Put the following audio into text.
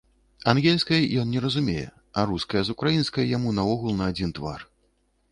Ангельскай ён не разумее, а руская з украінскай яму наогул на адзін твар.